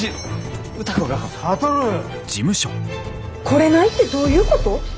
来れないってどういうこと？